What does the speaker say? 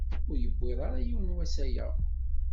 Ur yewwiḍ ara yiwen wass aya.